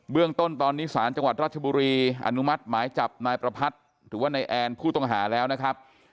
เรื่องต้นตอนนี้สารจังหวัดราชบุรีอนุมัติหมายจับนายประพัทธ์หรือว่านายแอนผู้ต้องหาแล้วนะครับ